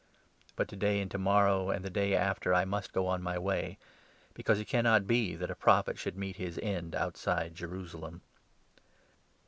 But to day and to morrow and the day after I must go on my way, because it cannot be that a Prophet should meet his end outside Jerusalem.